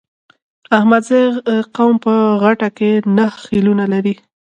احمدزی قوم په غټه کې نهه خيلونه لري.